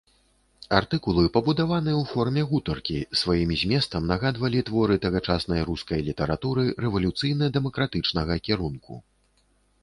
Артыкулы пабудаваны ў форме гутаркі, сваім зместам нагадвалі творы тагачаснай рускай літаратуры рэвалюцыйна-дэмакратычнага кірунку.